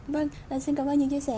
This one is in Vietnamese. vâng xin cảm ơn những chia sẻ